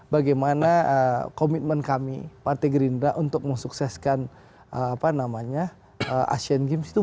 bagaimana komitmen kami partai gerinda untuk mengsukseskan asian games itu bukan saja